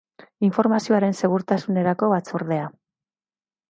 Informazioaren Segurtasunerako Batzordea